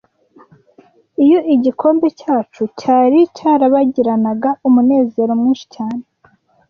Iyo igikombe cyacu, cyari cyarabagiranaga umunezero mwinshi cyane,